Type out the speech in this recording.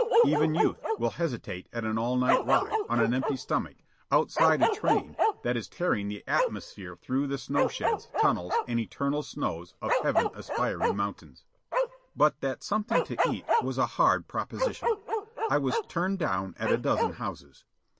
Even youth will hesitate at an all night ride, on an empty stomach, outside a train that is tearing the atmosphere through the snow sheds, tunnels, and eternal snows of heaven aspiring mountains. But that something to eat was a hard proposition. I was "turned down" at a dozen houses.